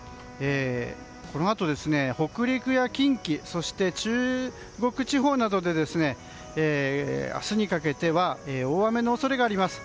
このあと北陸や近畿そして中国地方などで明日にかけて大雨の恐れがあります。